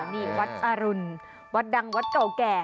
นี่วัดอรุณวัดดังวัดเก่าแก่